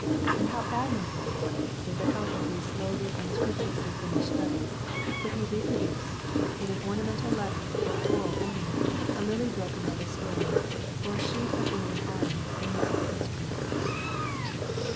And how admirably, with the help of these slowly and scrupulously finished studies, he could reproduce, in an ornamental letter or floral ornament, a lily broken by the storm, or a sheaf of Indian arms and musical instruments."